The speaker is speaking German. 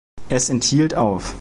Es enthielt auf